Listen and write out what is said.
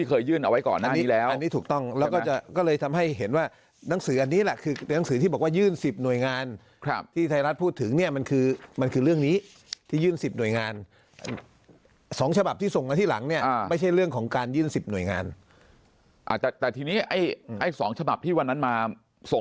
เคยยื่นเอาไว้ก่อนอันนี้แล้วอันนี้ถูกต้องแล้วก็จะก็เลยทำให้เห็นว่าหนังสืออันนี้แหละคือหนังสือที่บอกว่ายื่น๑๐หน่วยงานที่ไทยรัฐพูดถึงเนี่ยมันคือมันคือเรื่องนี้ที่ยื่น๑๐หน่วยงาน๒ฉบับที่ส่งมาที่หลังเนี่ยไม่ใช่เรื่องของการยื่น๑๐หน่วยงานอาจจะแต่ทีนี้ไอ้๒ฉบับที่วันนั้นมาส่ง